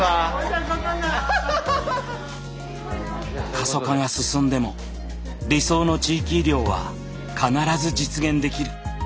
過疎化が進んでも理想の地域医療は必ず実現できる。